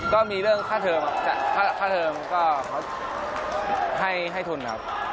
ก็มีเรื่องค่าเทิมเขาให้ทุนครับ